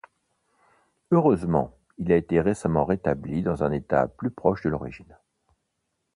Heureusement, il a été récemment rétabli dans un état plus proche de l'origine.